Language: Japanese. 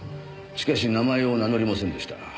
しかし名前を名乗りませんでした。